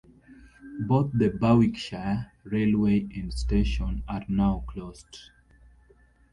Both the Berwickshire Railway and station are now closed.